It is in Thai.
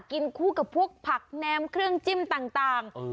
กินคู่กับพวกผักแนมเครื่องจิ้มต่าง